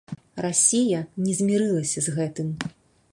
Расія не змірылася з гэтым.